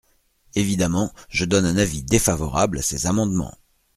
Évidemment, je donne un avis défavorable à ces amendements.